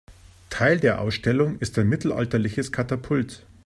Teil der Ausstellung ist ein mittelalterliches Katapult.